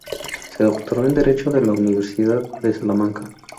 Se doctoró en derecho en la Universidad de Salamanca.